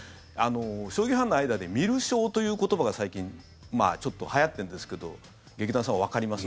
将棋ファンの間で「ミルショウ」という言葉が最近ちょっとはやってるんですけど劇団さん、わかります？